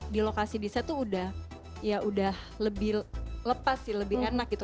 di lokasi di set tuh udah ya udah lebih lepas sih lebih enak gitu